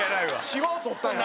シワを取ったんや。